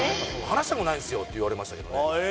「話したくないんですよ」って言われましたけどね。